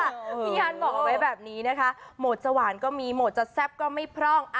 งานบอกเอาไว้แบบนี้นะคะโหมดจะหวานก็มีโหมดจะแซ่บก็ไม่พร่อง